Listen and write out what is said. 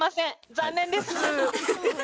残念です。